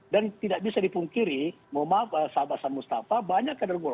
dan tidak bisa dipungkiri maaf sahabatan mustafa banyak kader golkar